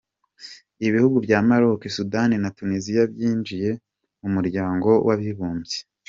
Ibihugu bya Maroc, Sudan na Tunisia byinjiye mu muryango w’abibumbye.